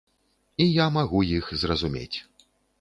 І я магу іх зразумець.